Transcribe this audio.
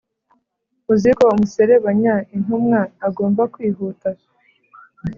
uziko umuserebanya intumwa agomba kwihuta